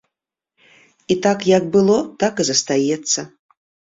І так, як было, так і застаецца.